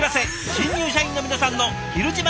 新入社員の皆さんの「ひる自慢」